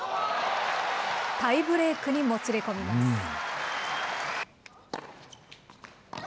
タイブレークにもつれ込みます。